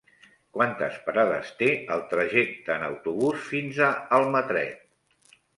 Quantes parades té el trajecte en autobús fins a Almatret?